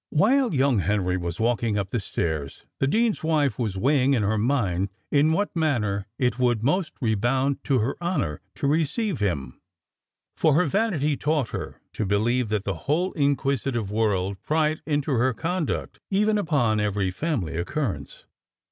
While young Henry was walking up the stairs, the dean's wife was weighing in her mind in what manner it would most redound to her honour to receive him; for her vanity taught her to believe that the whole inquisitive world pried into her conduct, even upon every family occurrence.